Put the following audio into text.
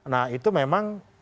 nah itu memang